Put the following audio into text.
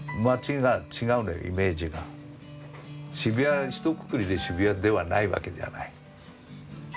渋谷ひとくくりで渋谷ではないわけじゃない。